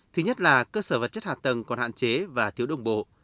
thứ nhất là cơ sở vật chất hạ tầng còn hạn chế và thiếu đồng bộ